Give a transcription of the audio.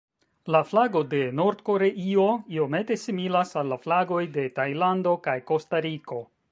La flago de Nord-Koreio iomete similas al la flagoj de Tajlando kaj Kostariko.